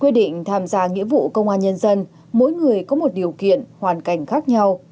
quyết định tham gia nghĩa vụ công an nhân dân mỗi người có một điều kiện hoàn cảnh khác nhau